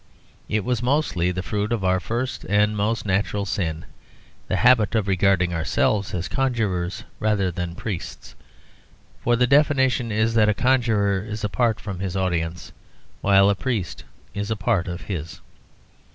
It was mostly the fruit of our first and most natural sin the habit of regarding ourselves as conjurers rather than priests, for the definition is that a conjurer is apart from his audience, while a priest is a part of his.